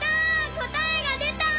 こたえが出た！